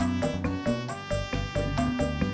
masuk sini bu